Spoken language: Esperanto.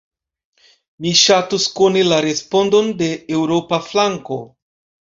Mi ŝatus koni la respondon de eŭropa flanko.